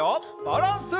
バランス！